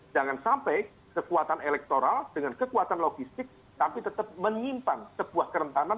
jangan sampai kekuatan elektoral dengan kekuatan logistik tapi tetap menyimpan sebuah kerentanan